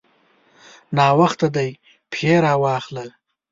ناوخته دی؛ پښې راواخله.